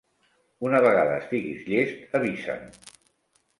Una vegada estiguis llest, avisa'm.